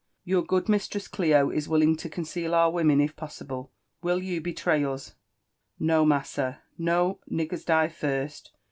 '* Your good mistress Clio is willing to conceal our women if possible; —" will you betray us?" «•* No, massa! — no, niggers die first!